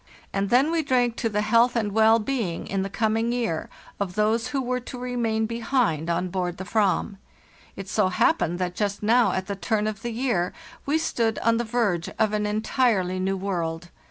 And then we drank to the health and well being in the coming year of those who were to re main behind on board the fram. It so happened that Just now at the turn of the year we stood on the verge of an entirely new world.